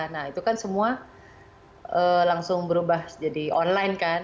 nah itu kan semua langsung berubah jadi online kan